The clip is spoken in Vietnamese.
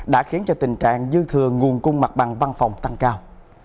đã khiến cho tình trạng dư thừa nguồn cung mặt bằng văn phòng tăng cao